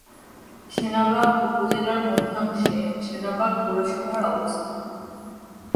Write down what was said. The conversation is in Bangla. সেনবাগ উপজেলার মধ্যাংশে সেনবাগ পৌরসভার অবস্থান।